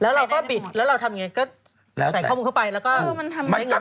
แล้วเราก็บิดแล้วเราทำอย่างไรก็ใส่ข้อมูลเข้าไปแล้วก็